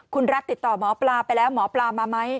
คุณรัฐติดต่อหมอปลาไปแล้วหมอปลามาไหม